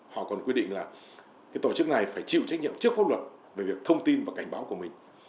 họ còn quy định là tổ chức này phải chịu trách nhiệm trước pháp luật về việc thông tin và cảnh báo của mình